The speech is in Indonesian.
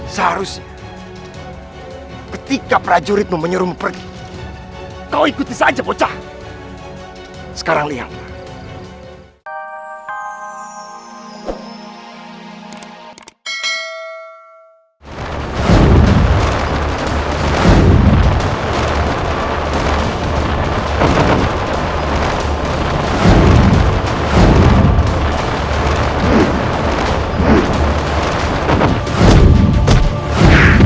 seharusnya ketika prajuritmu menyuruhmu pergi kau ikuti saja bocah sekarang lihatlah